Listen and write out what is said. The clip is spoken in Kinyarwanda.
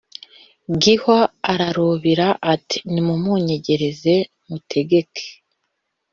Gihwa ararubira ati "Nimumunyegereze mutegeke